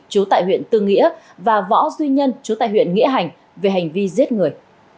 chú tại huyện tư nghĩa và võ duy nhân chú tại huyện nghĩa hành về hành vi giết người